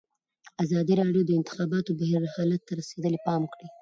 ازادي راډیو د د انتخاباتو بهیر حالت ته رسېدلي پام کړی.